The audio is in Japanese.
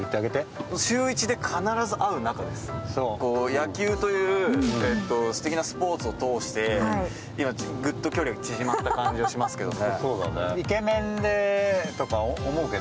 野球というすてきなスポーツを通して、今ぐっと距離が縮まった感じがしますけどね。